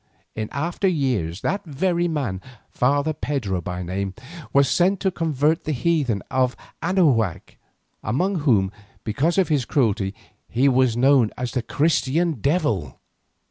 In after years that very man, Father Pedro by name, was sent to convert the heathen of Anahuac, among whom, because of his cruelty, he was known as the "Christian Devil."